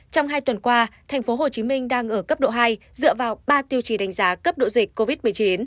trong hai tuần qua tp hcm đang ở cấp độ hai dựa vào ba tiêu chí đánh giá cấp độ dịch covid một mươi chín